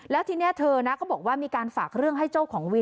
แล้วทีนี้เธอนะก็บอกว่ามีการฝากเรื่องให้เจ้าของวิน